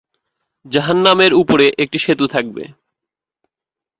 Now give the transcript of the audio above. জাহান্নামের ওপরে একটি সেতু থাকবে।